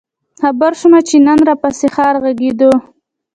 خبـــــر شومه چې نن راپســـې ښار غـــــږېده؟